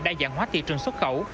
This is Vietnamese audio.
đa dạng hóa thị trường xuất khẩu